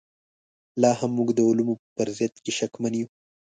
لاهم موږ د علومو په فرضیت کې شکمن یو.